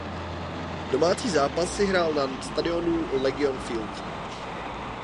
Domácí zápasy hrál na stadionu Legion Field.